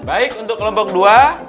baik untuk kelompok dua